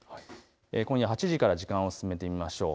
今夜８時から時間を進めてみましょう。